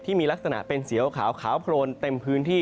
ที่มีลักษณะเป็นสีขาวโพลนเต็มพื้นที่